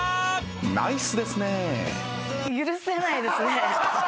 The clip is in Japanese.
ナイスですね。